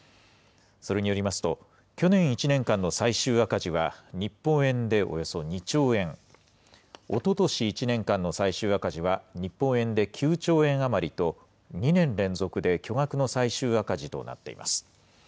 それによりますと、去年１年間の最終赤字は日本円でおよそ２兆円、おととし１年間の最終赤字は、日本円で９兆円余りと、２年連続で巨額の最終赤字となっています。